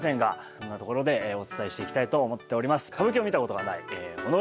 そんなところでお伝えしていきたいと思っております。